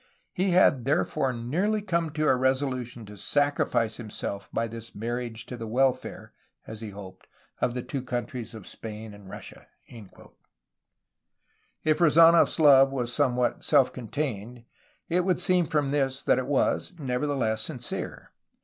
He had therefore nearly come to a resolution to sacrifice himself by this marriage to the welfare, as he hoped, of the two countries of Spain and Russia." If Rezdnof s love was somewhat self contained, it would seem from this that it was, nevertheless, sincere.